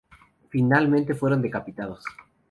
Finalmente fueron decapitados.